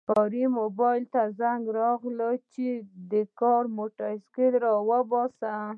کاري موبایل ته زنګ راغی چې د کار موټر راوباسه